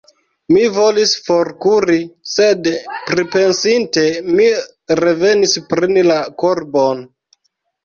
Mi volis forkuri, sed pripensinte mi revenis preni la korbon.